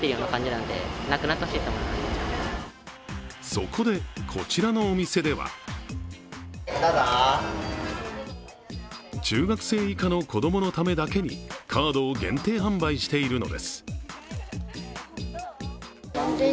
そこで、こちらのお店では中学生以下の子供のためだけにカードを限定販売しているのです。